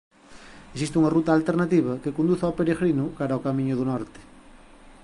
Existe unha ruta alternativa que conduce ó peregrino cara o Camiño do Norte.